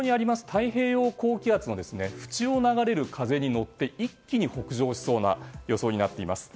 太平洋高気圧の縁を流れる風に乗って一気に北上しそうな予想になっています。